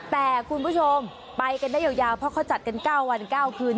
แต่คุณผู้ชมไปกันได้ยาวเพราะเขาจัดกัน๙วัน๙คืน